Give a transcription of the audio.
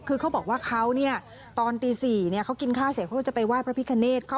คือเขาบอกว่าเขาตอนตี๔เขากินข้าวเสียเขาจะไปวาดพระพิคเนศ